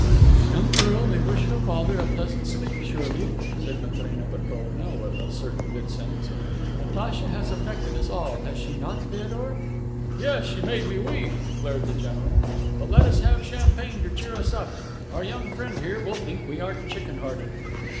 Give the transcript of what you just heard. "A young girl may wish her father a pleasant sleep, surely!" said Matrena Petrovna, with a certain good sense. "Natacha has affected us all, has she not, Feodor?" "Yes, she made me weep," declared the general. "But let us have champagne to cheer us up. Our young friend here will think we are chicken hearted."